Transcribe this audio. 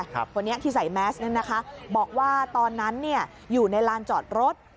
ตอนนี้ที่ใส่แมสก์บอกว่าตอนนั้นอยู่ในลานจอดรถ